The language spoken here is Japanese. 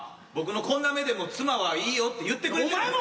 僕のこんな目でも妻は「いいよ」って言ってくれて。